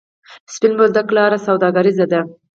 سپین بولدک لاره سوداګریزه ده؟